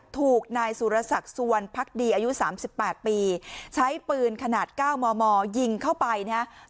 ถูกนายสุรสักสวนพักดีอายุสามสิบแปดปีใช้ปืนขนาดเก้ามอมอยิงเข้าไปเนี้ย